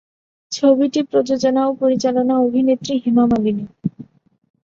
ছবিটি প্রযোজনা ও পরিচালনা অভিনেত্রী হেমা মালিনী।